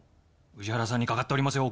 宇治原さんにかかっておりますよ。